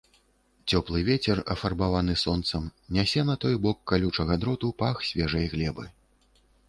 Цёплы вецер, афарбаваны сонцам, нясе на той бок калючага дроту пах свежай глебы.